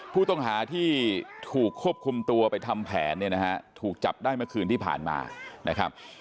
ผู้ต้องหาที่ถูกควบคุมตัวไปทำแผนเนี่ยนะฮะถูกจับได้เมื่อคืนที่ผ่านมานะครับ